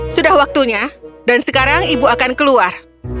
sudah waktunya dan sekarang ibu akan keluar